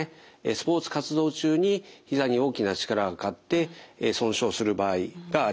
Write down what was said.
スポーツ活動中にひざに大きな力がかかって損傷する場合があります。